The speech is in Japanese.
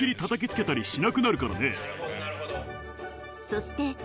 ［そして］